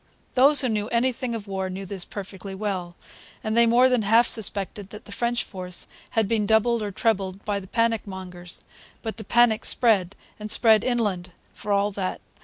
Those who knew anything of war knew this perfectly well; and they more than half suspected that the French force had been doubled or trebled by the panic mongers. But the panic spread, and spread inland, for all that.